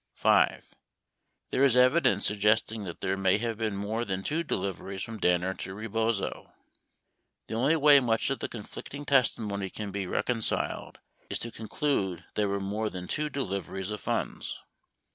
5. There is evidence suggesting that there may have been more than two deliveries from Danner to Rebozo. —The only way much of the conflicting testimony can be recon ciled is to conclude there were more than two deliveries of funds.